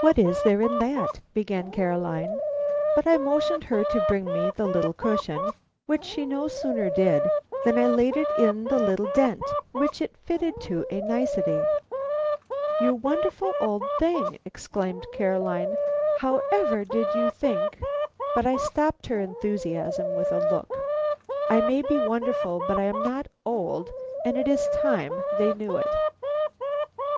"What is there in that?" began Caroline; but I motioned her to bring me the little cushion, which she no sooner did than I laid it in the little dent, which it fitted to a nicety. "You wonderful old thing!" exclaimed Caroline. "How ever did you think " But I stopped her enthusiasm with a look. I may be wonderful, but I am not old, and it is time they knew it.